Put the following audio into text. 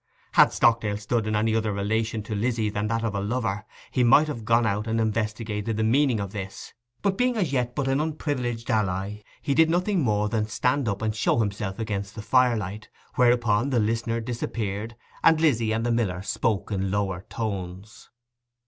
Had Stockdale stood in any other relation to Lizzy than that of a lover, he might have gone out and investigated the meaning of this: but being as yet but an unprivileged ally, he did nothing more than stand up and show himself against the firelight, whereupon the listener disappeared, and Lizzy and the miller spoke in lower tones.